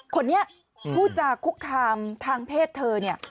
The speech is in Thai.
คนนี้ผู้จาคุกคามทางเพศเธอเนี่ย